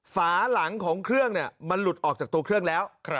ฝาหลังของเครื่องมันหลุดออกจากตัวเครื่องแล้ว